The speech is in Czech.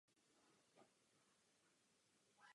Jeho bratři byli Jan a Beneš.